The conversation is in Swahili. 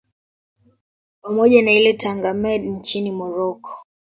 pamoja na ile ya Tanger Med nchini Morocco